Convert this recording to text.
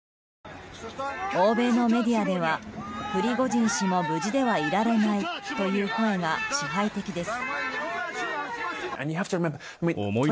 欧米のメディアではプリゴジン氏も無事ではいられないという声が支配的です。